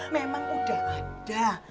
memang udah ada